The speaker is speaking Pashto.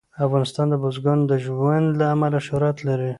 افغانستان د بزګانو د ژوند له امله شهرت لري.